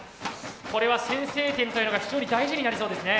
これは先制点というのが非常に大事になりそうですね。